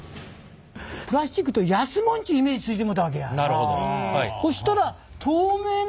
プラスチックというと安もんちゅうイメージついてもうたわけや。